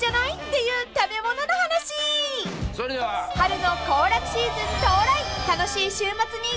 ［春の行楽シーズン到来］